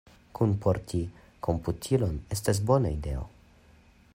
Kunporti komputilon estas bona ideo.